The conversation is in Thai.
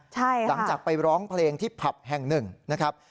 ใช่ค่ะหลังจากไปร้องเพลงที่ผับแห่งหนึ่งนะครับ